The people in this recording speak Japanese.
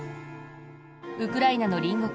ウクライナの隣国